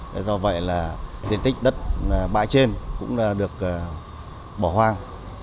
do vậy diện tích đất bãi trên cũng được bỏ hoang